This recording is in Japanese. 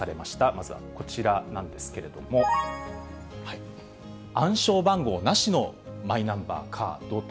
まずはこちらなんですけれども、暗証番号なしのマイナンバーカードと。